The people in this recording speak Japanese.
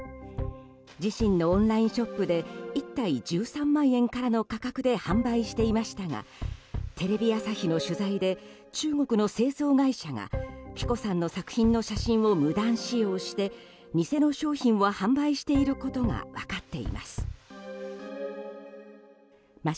自身のオンラインショップで１体１３万円からの価格で販売していましたがテレビ朝日の取材で中国の製造会社がｐｉｃｏさんの作品の写真を無断使用して偽の商品を販売していることが分かっています。